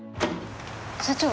社長。